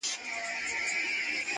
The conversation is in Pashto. هم منلو د خبرو ته تیار دی!!